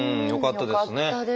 よかったです。